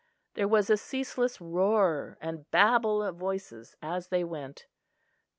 There was a ceaseless roar and babble of voices as they went.